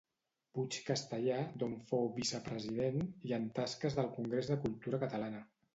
Puig Castellar, d'on fou vicepresident, i en tasques del Congrés de Cultura Catalana.